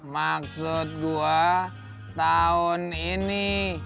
maksud gue tahun ini